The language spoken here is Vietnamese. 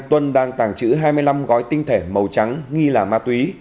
tuấn đang tàng trữ hai mươi năm gói tinh thể màu trắng nghi là ma túy